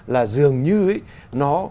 là dường như nó